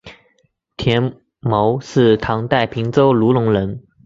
田牟是唐代平州卢龙人。